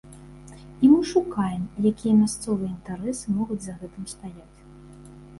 І мы шукаем, якія мясцовыя інтарэсы могуць за гэтым стаяць.